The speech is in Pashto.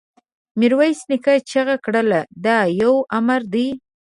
ميرويس نيکه چيغه کړه! دا يو امر دی!